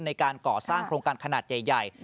ในการก่อสร้างโครงการขนาดใหญ่